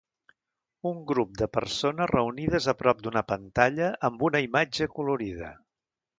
Un grup de persones reunides a prop d'una pantalla amb una imatge colorida